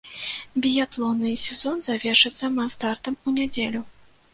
Біятлонны сезон завершыцца мас-стартам у нядзелю.